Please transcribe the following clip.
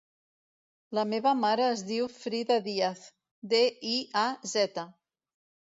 La meva mare es diu Frida Diaz: de, i, a, zeta.